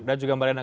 dan juga mbak rena